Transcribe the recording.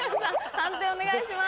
判定お願いします。